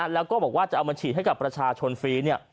แล้วก็บอกว่าจะเอามาฉีดให้กับประชาชนฟรี